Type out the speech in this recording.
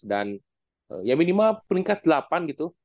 dan ya minimal peringkat delapan gitu